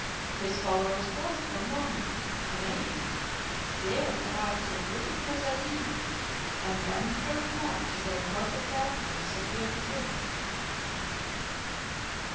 His followers paused for a moment, amazed, stared about as if looking for their leader, and then hurried back to their projectile and disappeared within it.